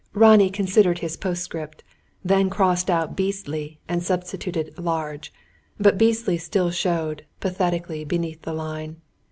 Ronnie considered his postscript; then crossed out "beastly" and substituted "large." But "beastly" still showed, pathetically, beneath the line.